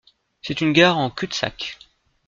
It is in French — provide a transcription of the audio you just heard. C'est une gare en Cul-de-sac.